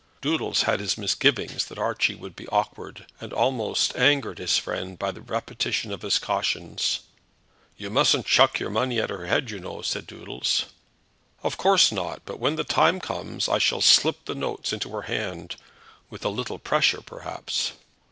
Doodles had his misgivings that Archie would be awkward, and almost angered his friend by the repetition of his cautions. "You mustn't chuck your money at her head, you know," said Doodles. "Of course not; but when the time comes I shall slip the notes into her hand, with a little pressure perhaps."